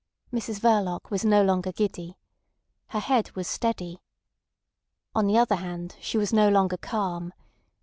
Mrs Verloc was no longer giddy. Her head was steady. On the other hand, she was no longer calm.